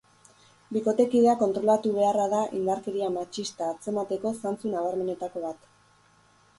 Bikotekidea kontrolatu beharra da indarkeria matxista atzemateko zantzu nabarmenetako bat.